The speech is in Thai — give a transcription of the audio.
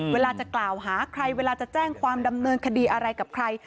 เวลาจะกล่าวหาใครเวลาจะแจ้งความดำเนินคดีอะไรกับใคร